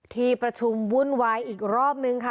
ที่ประชุมวุ่นวายอีกรอบนึงค่ะ